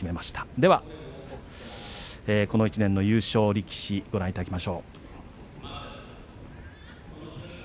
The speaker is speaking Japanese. では、この１年の優勝力士をご覧いただきます。